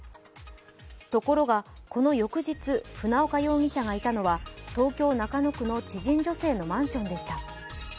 ところがこの翌日、船岡容疑者がいたのは東京・中野区の知人女性のマンションでした。